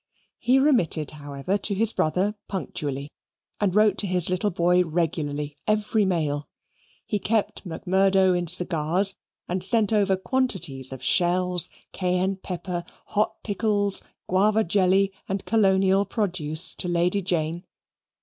He remitted, however, to his brother punctually, and wrote to his little boy regularly every mail. He kept Macmurdo in cigars and sent over quantities of shells, cayenne pepper, hot pickles, guava jelly, and colonial produce to Lady Jane.